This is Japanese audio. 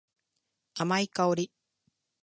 甘い香り。